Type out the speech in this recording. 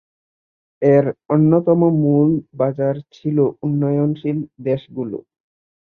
এর অন্যতম মূল বাজার ছিল উন্নয়নশীল দেশগুলো।